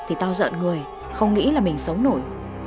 thì ta giận người không nghĩ là mình sống nổi